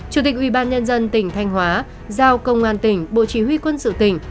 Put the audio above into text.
chủ tịch ubnd tỉnh thanh hóa giao công an tỉnh bộ chỉ huy quân sự tỉnh